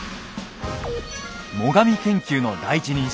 最上研究の第一人者